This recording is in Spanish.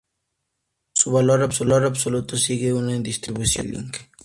Su valor absoluto sigue una distribución de Rayleigh.